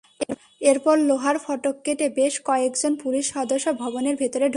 এরপর লোহার ফটক কেটে বেশ কয়েকজন পুলিশ সদস্য ভবনের ভেতরে ঢোকে।